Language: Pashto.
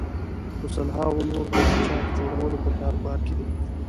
په سلهاوو نور د پاچا جوړولو په کاروبار کې دي.